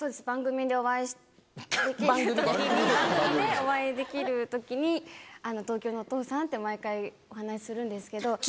番組でお会いできるときに「東京のお父さん」って毎回お話しするんですけど。